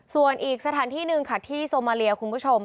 ส่วนอีกสถานที่หนึ่งค่ะที่โซมาเลียคุณผู้ชม